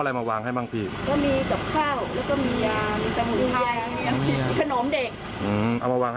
แต่ว่าคุณไม่ได้ลงถึงที่จริง